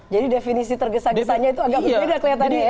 definisi tergesa gesanya itu agak berbeda kelihatannya ya